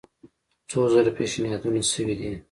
څو ځله پېشنهادونه شوي دي.